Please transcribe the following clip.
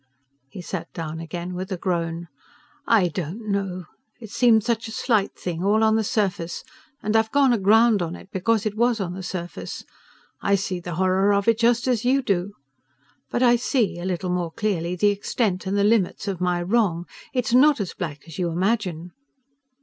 He sat down again with a groan. "I don't know! It seemed such a slight thing all on the surface and I've gone aground on it because it was on the surface. I see the horror of it just as you do. But I see, a little more clearly, the extent, and the limits, of my wrong. It's not as black as you imagine."